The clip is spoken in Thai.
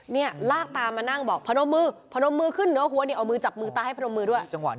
เนี่ยลากตามานั่งบอกพนมมือพนมมือขึ้นเหนือหัวเนี่ยเอามือจับมือตาให้พนมมือด้วย